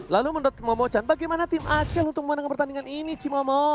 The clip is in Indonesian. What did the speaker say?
lalu menurut momo chan bagaimana tim acel untuk memenangkan pertandingan ini ci momo